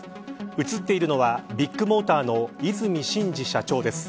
映っているのはビッグモーターの和泉伸二社長です。